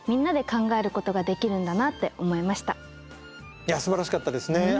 いやすばらしかったですね。